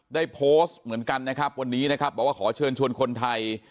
ได้โพสต์เหมือนกันนะครับวันนี้นะครับบอกว่าขอเชิญชวนคนไทย